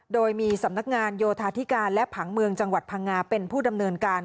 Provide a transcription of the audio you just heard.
โดยมีสำนักงานโยธาธิการและผังเมืองจังหวัดพังงาเป็นผู้ดำเนินการ